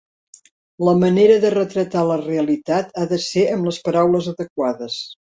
La manera de retratar la realitat ha de ser amb les paraules adequades.